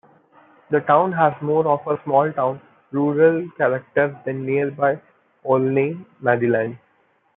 The town has more of a small town, rural character than nearby Olney, Maryland.